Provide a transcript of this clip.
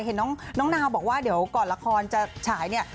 เห็นน้องนาวบอกว่าเดี๋ยวก่อนละครจะฉายเนี่ย